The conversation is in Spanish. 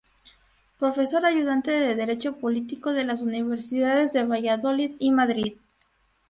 Profesor Ayudante de Derecho Político en las Universidades de Valladolid y Madrid.